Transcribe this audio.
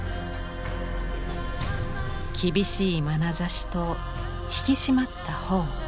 厳しいまなざしと引き締まった頬。